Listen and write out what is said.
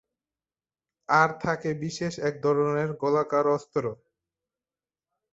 আর থাকে বিশেষ এক ধরনের গোলাকার অস্ত্র।